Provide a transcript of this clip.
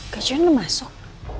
gajian udah masuk